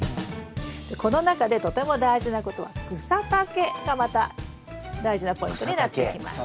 この中でとても大事なことは草丈がまた大事なポイントになってきます。